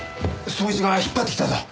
捜一が引っ張ってきたぞ。